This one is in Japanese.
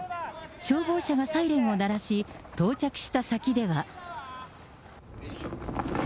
消防車がサイレンを鳴らし、到着した先では。